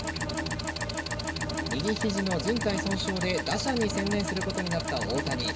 右肘の靭帯損傷で打者に専念することになった大谷。